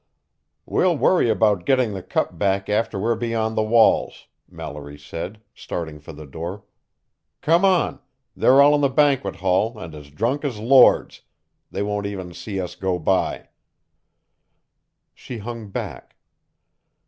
"We'll worry about getting the Cup back after we're beyond the walls," Mallory said, starting for the door. "Come on they're all in the banquet hall and as drunk as lords they won't even see us go by." She hung back.